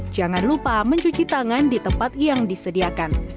jangan lupa mencuci tangan di tempat yang disediakan